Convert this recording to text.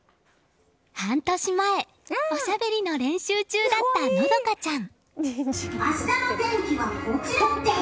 半年前おしゃべりの練習中だった和ちゃん。